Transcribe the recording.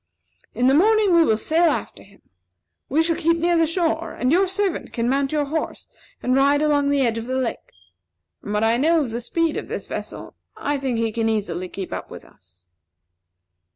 In the morning we will sail after him. We shall keep near the shore, and your servant can mount your horse and ride along the edge of the lake. From what I know of the speed of this vessel, I think he can easily keep up with us."